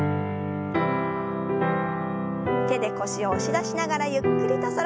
手で腰を押し出しながらゆっくりと反らせます。